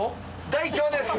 大凶です！